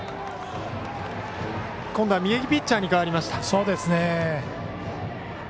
今度は右ピッチャーに代わりました。